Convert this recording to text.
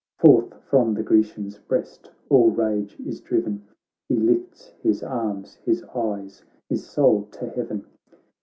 Forth from the Grecian's breast all rage is driven, He lifts his arms, his eyes, his soul to heaven.